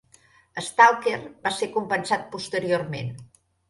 Stalker va ser compensat posteriorment.